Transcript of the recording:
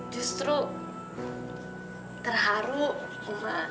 justru terharu oma